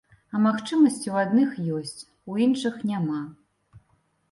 А магчымасці ў адных ёсць, у іншых няма.